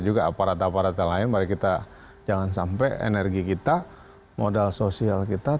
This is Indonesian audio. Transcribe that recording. juga aparata aparata lain mari kita jangan sampai energi kita modal sosial kita